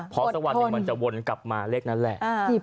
เพราะสวัสดิ์มันจะวนกลับมาเลขนั้นแหละ